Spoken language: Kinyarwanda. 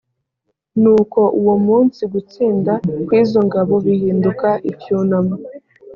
nuko uwo munsi gutsinda kw izo ngabo bihinduka icyunamo